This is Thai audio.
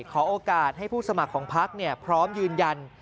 ขอโอกาสให้ผู้สมัครของพักพร้อมยืนยัน